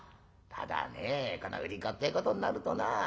ただねこの売り子ってえことになるとな